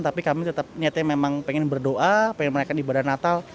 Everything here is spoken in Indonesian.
tapi kami tetap niatnya memang pengen berdoa pengen merayakan ibadah natal